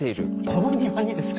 この庭にですか？